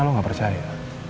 lo gak percaya